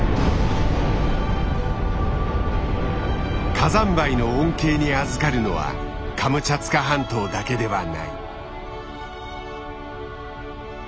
火山灰の恩恵にあずかるのはカムチャツカ半島だけではない。